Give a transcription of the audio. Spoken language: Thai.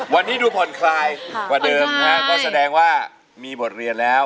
วันนี้ดูผ่อนคลายกว่าเดิมนะฮะก็แสดงว่ามีบทเรียนแล้ว